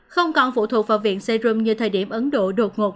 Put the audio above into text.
không còn phụ thuộc vào viện seriom như thời điểm ấn độ đột ngột